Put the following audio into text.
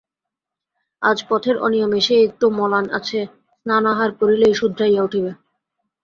আজ পথের অনিয়মে সে একটু মলান আছে, স্নানাহার করিলেই শুধরাইয়া উঠিবে।